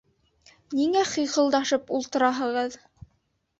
Ниңә хихылдашып ултыраһығыҙ?